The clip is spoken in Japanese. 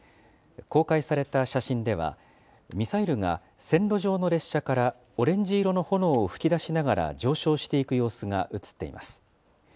公開された写真では、ミサイルが線路上の列車からオレンジ色の炎を噴き出しながら、上昇していく様子が写っています。